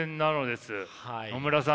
野村さん